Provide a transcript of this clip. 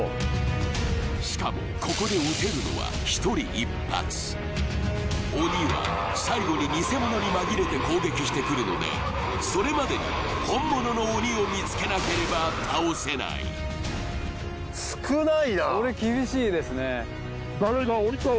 しかもここで撃てるのは一人１発鬼は最後にニセモノに紛れて攻撃してくるのでそれまでに本物の鬼を見つけなければ倒せないそれ厳しいですね